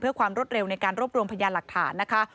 เพื่อความรวดเร็วในการรวบรวมพยานหลักฐานนะคะ